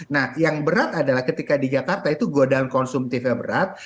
nah yang berat adalah ketika di jakarta itu godaan konsumtifnya berat